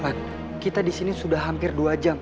lan kita disini sudah hampir dua jam